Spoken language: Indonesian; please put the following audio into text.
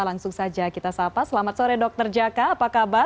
langsung saja kita sapa selamat sore dr jaka apa kabar